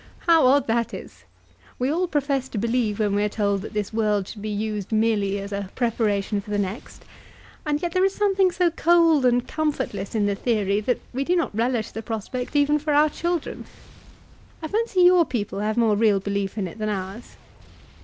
How odd that is! We all profess to believe when we're told that this world should be used merely as a preparation for the next; and yet there is something so cold and comfortless in the theory that we do not relish the prospect even for our children. I fancy your people have more real belief in it than ours."